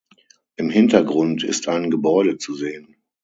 Im Hintergrund ist ein Gebäude zu sehen.